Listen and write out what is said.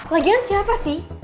lagian siapa sih